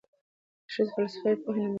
که ښځې فلسفه پوهې وي نو منطق به نه وي ورک.